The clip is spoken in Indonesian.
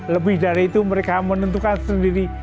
lebih dari itu mereka menentukan sendiri